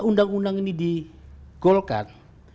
undang undang ini di golkar